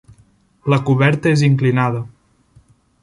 La coberta és inclinada.